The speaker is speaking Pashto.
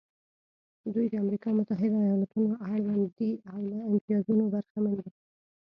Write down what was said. دوی د امریکا متحده ایالتونو اړوند دي او له امتیازونو برخمن دي.